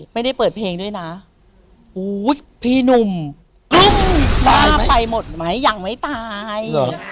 ไม่ได้เปิดเพลงด้วยนะอุ้ยพี่หนุ่มกลุ้มหน้าไปหมดไหมยังไม่ตาย